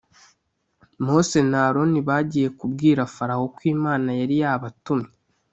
Mose na Aroni bagiye kubwira Farawo ko Imana yari yabatumye